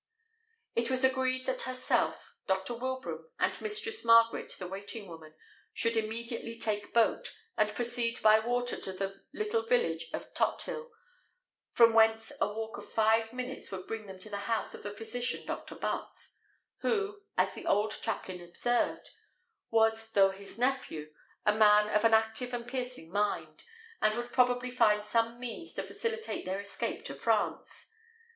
It was agreed that herself, Dr. Wilbraham, and Mistress Margaret, the waiting woman, should immediately take boat, and proceed by water to the little village of Tothill, from whence a walk of five minutes would bring them to the house of the physician Dr. Butts, who, as the old chaplain observed, was, though his nephew, a man of an active and piercing mind, and would probably find some means to facilitate their escape to France.